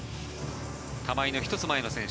玉井の１つ前の選手。